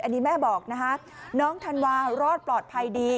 อันนี้แม่บอกนะคะน้องธันวารอดปลอดภัยดี